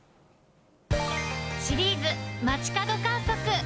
シリーズ街角観測。